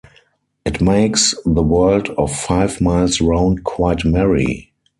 It makes the world of five miles round quite merry.